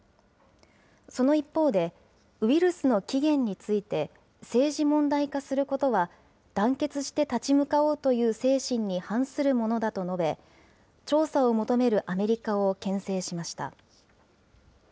その一方で、ウイルスの起源について、政治問題化することは、団結して立ち向かおうという精神に反するものだと述べ、調査を求めるアメリカをけん制しました。